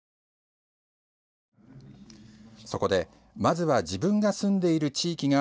そこで、まずは自分が住んでいる地域が